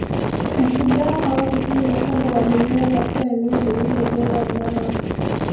Mashujaa hao sitini na saba walinyongwa katika eneo lililojengwa Mnara